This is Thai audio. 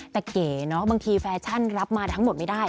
แต่เก๋เนอะบางทีแฟชั่นรับมาทั้งหมดไม่ได้